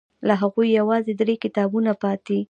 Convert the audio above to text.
له هغوی یوازې درې کتابونه پاتې دي.